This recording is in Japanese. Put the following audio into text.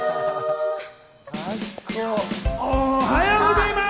おはようございます！